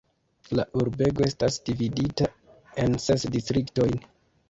La urbego estas dividita en ses distriktojn.